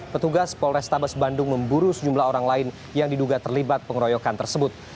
petugas polrestabes bandung memburu sejumlah orang lain yang diduga terlibat pengeroyokan tersebut